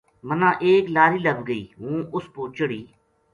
مَنا ایک لاری لبھ گئی ہوں اس پو چڑھی